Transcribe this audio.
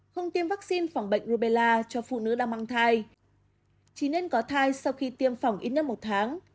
không tiêm vaccine phòng bệnh rubella cho phụ nữ đang mang thai chỉ nên có thai sau khi tiêm phòng ít nhất một tháng